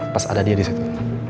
pas ada dia disitu